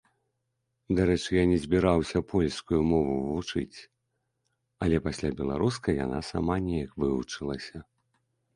Дарэчы, я не збіраўся польскую мову вучыць, але пасля беларускай яна сама неяк вывучылася.